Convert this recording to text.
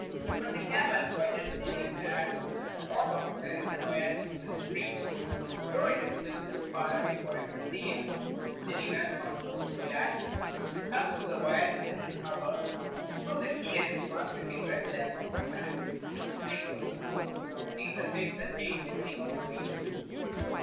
But the camel, by just sniffing the air, has found out that there is an oasis within reach, though it is still too far away for him to see it. Then he runs on most gladly, and comes to the oasis in an hour, so that he and his master can rest there for some time, and drink from the pool, and eat the figs and dates growing on the trees.